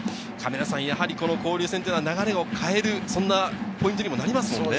交流戦は流れを変える、そんなポイントにもなりますよね。